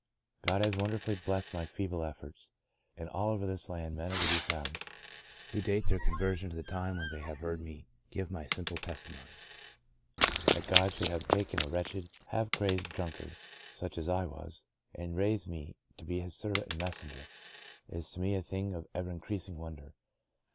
God has wonderfully blessed my feeble efforts, and all over this land men are to be found, who date their conversion to the time when they have heard me give my simple testimony. That God should have taken a wretched, half crazed drunkard such as I was, and raised me to be His servant and messenger, is to me a thing of ever increasing wonder.